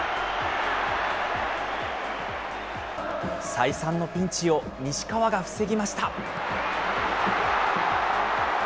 再三のピンチを西川が防ぎました。